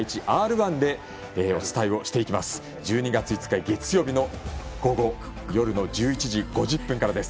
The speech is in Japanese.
１２月５日、月曜日の午後夜の１１時５０分からです。